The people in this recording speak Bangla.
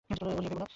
ও নিয়ে ভেবো না।